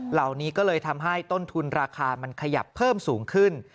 เหล่านี้ก็เลยทำให้ต้นทุนราคามันขยับเพิ่มสูงขึ้น